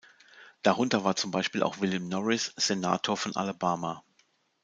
Darunter war zum Beispiel auch William Norris, Senator von Alabama.